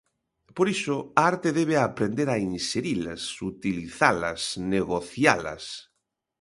Por iso a arte debe aprender a inserilas, utilizalas, negocialas.